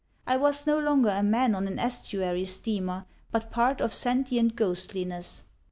I was no longer a man on an estuary steamer, but part of sentient ghostliness.